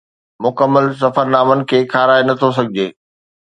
مڪمل سفرنامن کي کارائي نه ٿو سگهجي